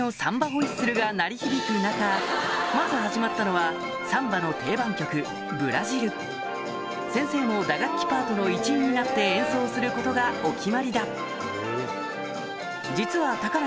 ホイッスルが鳴り響く中まず始まったのはサンバの定番曲『ブラジル』先生も打楽器パートの一員になって演奏することがお決まりだ